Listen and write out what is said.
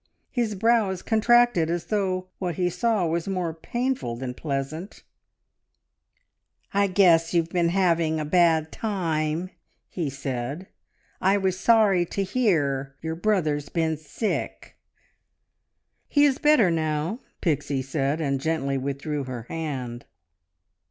His brows contracted, as though what he saw was more painful than pleasant. "I guess you've been having a bad time," he said. "I was sorry to hear your brother's been sick." "He is better now," Pixie said, and gently withdrew her hand.